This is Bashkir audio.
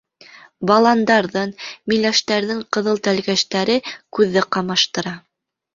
Баландарҙың, миләштәрҙең ҡыҙыл тәлгәштәре күҙҙе ҡамаштыра.